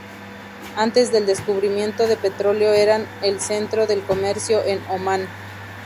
Antes del descubrimiento de petróleo eran el centro del comercio en Omán.